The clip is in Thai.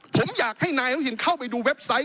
ผมอยากให้นายอนุทินเข้าไปดูเว็บไซต์